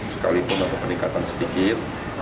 sekalipun ada peningkatan sedikit